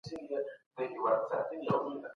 حاکمان به د مغولو کړني تل یادوي.